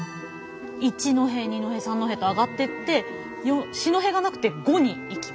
一戸二戸三戸と上がってって四戸がなくて五にいきます。